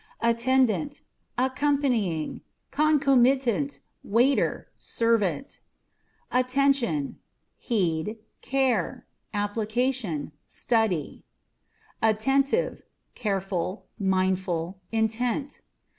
Attendant â€" accompanying, concomitant ; waiter, servant. Attention â€" heed, care ; application, study. Attentiveâ€" careful, mindful, intent.